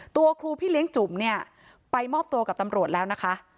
ตัวครูพี่เลี้ยงจุ๋มเนี่ยไปมอบตัวกับตำรวจแล้วนะคะ